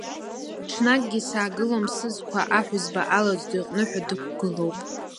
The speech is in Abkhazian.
Ҽнакгьы саагылом сызқәа аҳәызба алазҵо иҟны ҳәа дықәгылоуп.